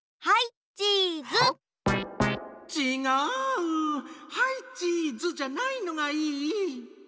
「はいチーズ」じゃないのがいい。